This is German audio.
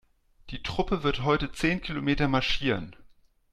Die Truppe wird heute zehn Kilometer marschieren.